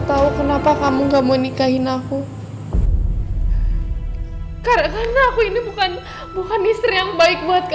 tahu kenapa kamu nggak mau nikahin aku karena aku ini bukan bukan istri yang baik buat